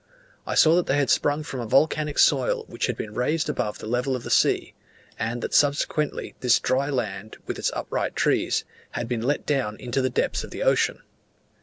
I saw that they had sprung from a volcanic soil which had been raised above the level of the sea, and that subsequently this dry land, with its upright trees, had been let down into the depths of the ocean.